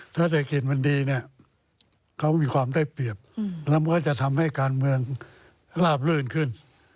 ถ้าเศรษฐกิจมันดีเนี่ยเขามีความได้เปรียบแล้วมันก็จะทำให้การเมืองลาบลื่นขึ้น